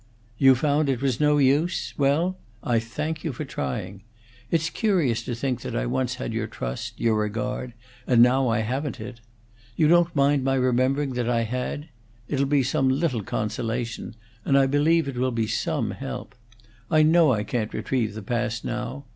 "You found it was no use! Well, I thank you for trying. It's curious to think that I once had your trust, your regard, and now I haven't it. You don't mind my remembering that I had? It'll be some little consolation, and I believe it will be some help. I know I can't retrieve the past now.